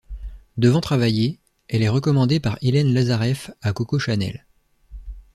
Devant travailler, elle est recommandée par Hélène Lazareff à Coco Chanel.